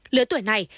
lứa tuổi này